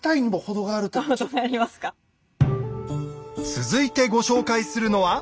続いてご紹介するのは。